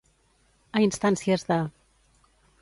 A instàncies de.